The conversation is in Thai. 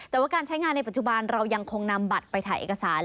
แต่ว่าการใช้งานในปัจจุบันเรายังคงนำบัตรไปถ่ายเอกสาร